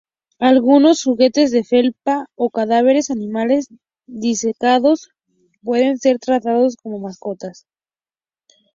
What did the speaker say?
Algunos juguetes de felpa o cadáveres animales disecados pueden ser tratados como mascotas.